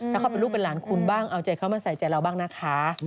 ถ้าเขาเป็นลูกเป็นหลานคุณบ้างเอาใจเขามาใส่ใจเราบ้างนะคะ